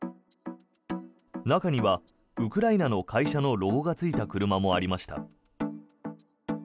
中にはウクライナの会社のロゴがついた車もありました。